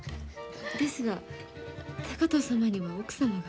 ですが、高藤様には奥様が。